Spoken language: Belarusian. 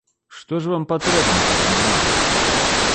Што ж вам патрэбна ад мяне?